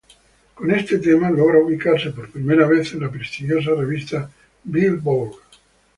Con este tema logran ubicarse por primera vez en la prestigiosa revista Billboard.